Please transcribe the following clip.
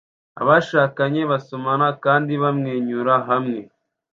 Abashakanye basomana kandi bamwenyura hamwe